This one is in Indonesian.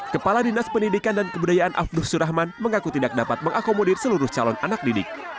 kepala dinas pendidikan dan kebudayaan abdur surahman mengaku tidak dapat mengakomodir seluruh calon anak didik